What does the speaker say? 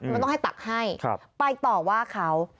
มันต้องให้ตักให้ไปต่อว่าเขา